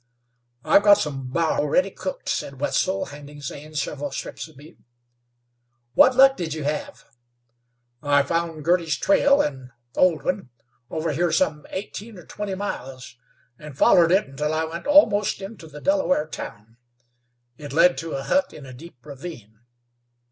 "I've got some bar ready cooked," said Wetzel, handing Zane several strips of meat. "What luck did you have?" "I found Girty's trail, an old one, over here some eighteen or twenty miles, an' follered it until I went almost into the Delaware town. It led to a hut in a deep ravine.